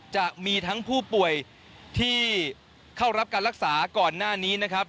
จะมีทั้งผู้ป่วยที่เข้ารับการรักษาก่อนหน้านี้นะครับ